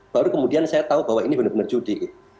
baru kemudian saya tahu bahwa ini benar benar judi